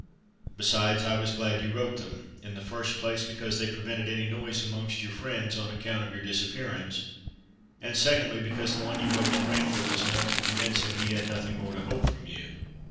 Besides, I was glad you wrote them;—in the first place because they prevented any noise amongst your friends on account of your disappearance—and, secondly, because the one you wrote to Rainford was enough to convince him he had nothing more to hope from you."